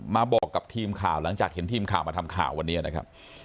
มาบอกกับทีมข่าวหลังจากเห็นทีมข่าวมาทำข่าววันนี้นะครับ